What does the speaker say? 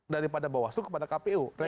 daripada bawaslu kepada kpu